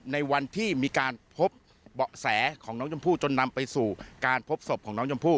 ในวันที่มีการพบเบาะแสของน้องชมพู่จนนำไปสู่การพบศพของน้องชมพู่